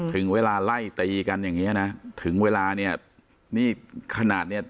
ถึงเวลาไล่ตีกันอย่างเงี้นะถึงเวลาเนี่ยนี่ขนาดเนี้ย